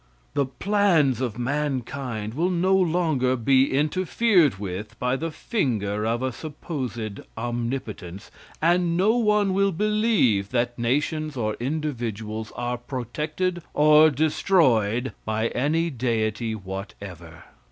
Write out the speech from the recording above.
The plans of mankind will no longer be interfered with by the finger of a supposed omnipotence, and no one will believe that nations or individuals are protected or destroyed by any deity whatever.